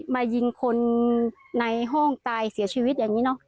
มายิงคนในห้องตายเสียชีวิตอย่างนี้เนอะ